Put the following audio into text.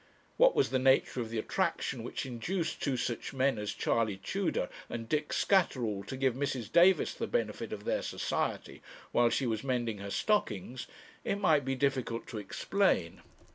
What was the nature of the attraction which induced two such men as Charley Tudor and Dick Scatterall to give Mrs. Davis the benefit of their society, while she was mending her stockings, it might be difficult to explain.